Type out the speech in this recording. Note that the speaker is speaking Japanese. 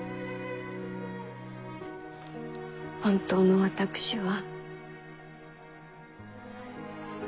本当の私は。